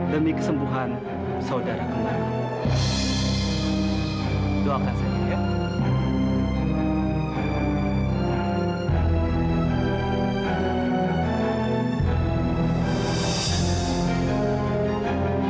demi kesembuhan saudara kemarin